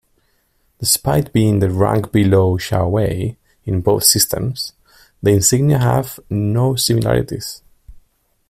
Despite being the rank below Shaowei in both systems, the insignia have no similarities.